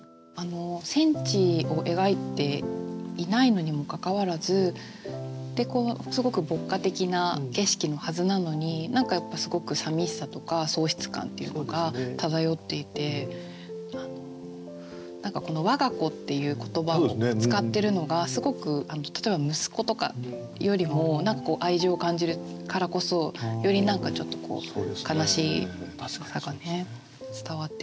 戦地を描いていないのにもかかわらずですごく牧歌的な景色のはずなのに何かやっぱすごくさみしさとか喪失感っていうのが漂っていてこの「わが子」っていう言葉を使ってるのがすごく例えば「息子」とかよりも何かこう愛情を感じるからこそよりちょっと悲しさがね伝わってきますね。